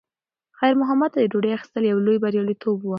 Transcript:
خیر محمد ته د ډوډۍ اخیستل یو لوی بریالیتوب و.